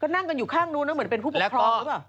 ก็นั่งกันอยู่ข้างนู้นเหมือนเป็นผู้ปกครอง